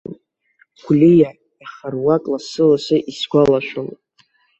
Гәлиа, аха руак лассы-лассы исгәалашәалоит.